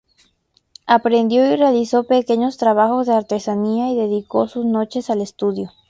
Aprendió y realizó pequeños trabajos de artesanía y dedicó sus noches al estudio.